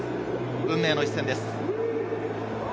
運命の一戦です。